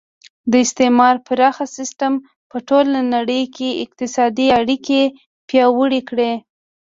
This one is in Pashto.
د استعمار پراخه سیسټم په ټوله نړۍ کې اقتصادي اړیکې پیاوړې کړې